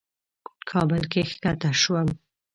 کابل کې کښته شوم.